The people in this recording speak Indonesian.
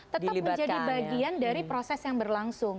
tetap menjadi bagian dari proses yang berlangsung